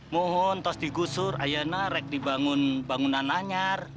mohon kalau digusur ayak nanti dibangun bangunan nanyar